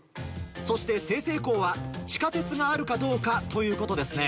そして済々黌は地下鉄があるかどうかということですね。